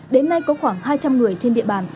đến nay có khoảng hai trăm linh người trên địa bàn